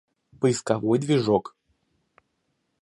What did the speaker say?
Поисковой движок